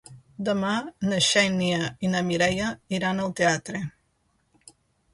Demà na Xènia i na Mireia iran al teatre.